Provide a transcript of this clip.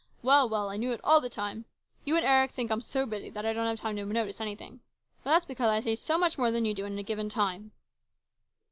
Well, well, I knew it all the time ! You and Eric think I'm so busy that I don't have time to notice anything. But that's because I see so much more than you do in a given time."